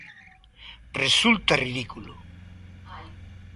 ¡Resulta ridículo!